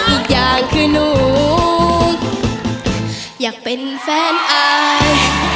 อีกอย่างคือหนูอยากเป็นแฟนอาย